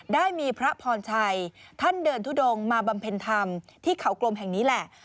ได้มีพระพรชัยท่านเดินทุดงมาบำเพ็ญธรรมที่เขากลมแห่งนี้แหละ